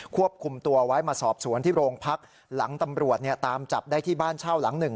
ควบคุมตัวไว้มาสอบสวนที่โรงพักหลังตำรวจเนี่ยตามจับได้ที่บ้านเช่าหลังหนึ่ง